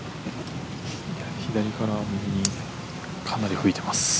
左から右にかなり吹いてます。